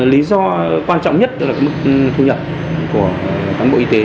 lý do quan trọng nhất tức là mức thu nhập của cán bộ y tế